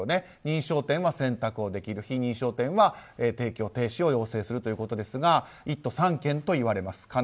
認証店は選択ができる非認証店は提供停止を要請するということですが１都３県といわれます